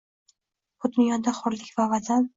Bu dunyoda hurlik va Vatan